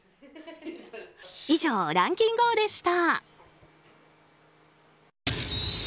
以上、ランキンＧＯ！でした。